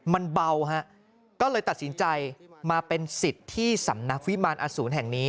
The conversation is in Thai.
มันเบาฮะก็เลยตัดสินใจมาเป็นสิทธิ์ที่สำนักวิมารอสูรแห่งนี้